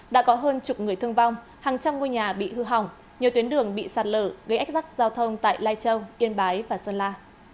đã có hơn chục người thương vong hàng trăm ngôi nhà bị hư hỏng nhiều tuyến đường bị sạt lở gây ách rắc giao thông tại lai châu yên bái và sơn la